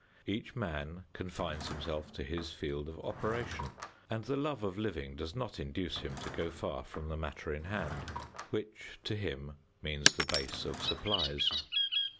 Each man confines himself to his field of operation, and the love of living does not induce him to go far from the matter in hand, which to him means the base of supplies.